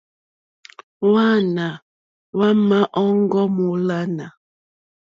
Hwáāná hwá má òŋɡô mólánà.